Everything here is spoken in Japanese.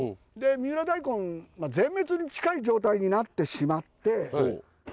で三浦大根全滅に近い状態になってしまって。